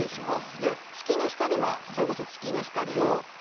で「月の光」はそれこそ月の光を。